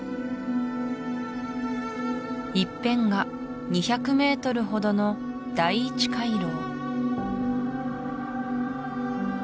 １辺が２００ｍほどの第一回廊